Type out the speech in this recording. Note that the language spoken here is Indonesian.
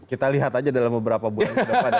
kita lihat aja dalam beberapa bulan ke depan ya